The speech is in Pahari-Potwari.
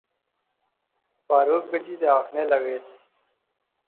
فاروق بیجی تے آخنے لاغیس